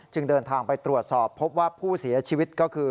เดินทางไปตรวจสอบพบว่าผู้เสียชีวิตก็คือ